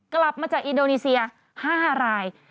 กลับมาจากอินโดนีเซีย๕ราย